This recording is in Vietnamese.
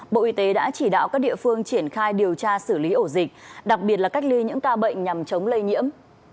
bộ y tế đã chỉ đạo các địa phương triển khai điều tra xử lý ổ dịch đặc biệt là cách ly những ca bệnh nhằm chống lây nhiễm